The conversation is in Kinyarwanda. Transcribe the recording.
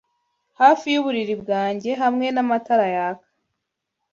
Hafi yuburiri bwanjye hamwe n'amatara yaka